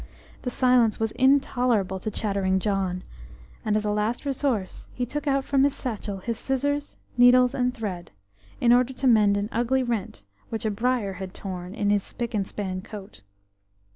The silence was intolerable to chattering John, and as a last resource he took out from his satchel his scissors, needles, and thread, in order to mend an ugly rent which a briar had torn in his spick and span coat.